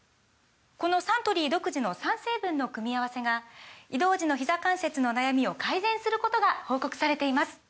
このサントリー独自の３成分の組み合わせが移動時のひざ関節の悩みを改善することが報告されています